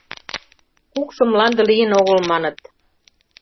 Кукшо мланде лийын огыл, маныт.